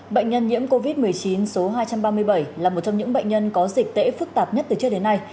bệnh nhân nhiễm covid một mươi chín số hai trăm ba mươi bảy là một trong những bệnh nhân có dịch tễ phức tạp nhất từ trước đến nay